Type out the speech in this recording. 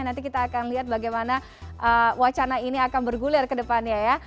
nanti kita akan lihat bagaimana wacana ini akan bergulir ke depannya ya